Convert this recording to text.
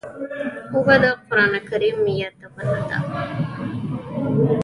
اوبه د قرآن کریم یادونه ده.